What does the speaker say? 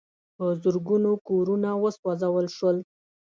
په زرګونو کورونه وسوځول شول.